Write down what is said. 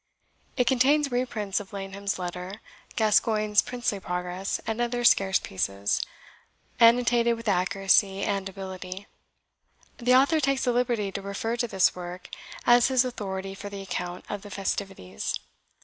It contains reprints of Laneham's Letter, Gascoigne's Princely Progress, and other scarce pieces, annotated with accuracy and ability. The author takes the liberty to refer to this work as his authority for the account of the festivities.